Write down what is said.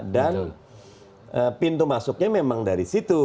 pintu masuknya memang dari situ